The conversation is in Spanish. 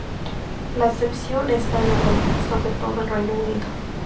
La excepción está en Europa, sobre todo en el Reino Unido.